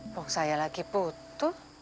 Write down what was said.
bok saya lagi butuh